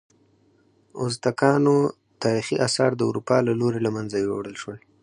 ازتکانو تاریخي آثار د اروپایانو له لوري له منځه یوړل شول.